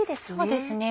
そうですね。